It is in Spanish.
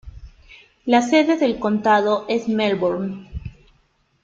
La sede del condado es Melbourne.